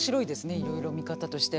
いろいろ見方としては。